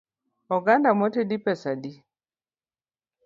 Oganda motedi pesa adi?